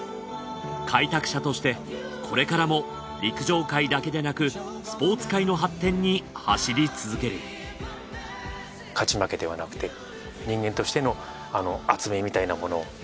開拓者としてこれからも陸上界だけでなくスポーツ界の発展に走り続ける勝ち負けではなくて人間としての厚みみたいなものを。